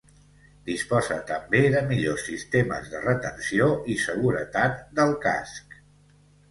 Disposa també de millors sistemes de retenció i seguretat del casc.